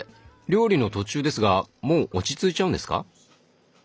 料理の途中ですがもう落ち着いちゃうんですか？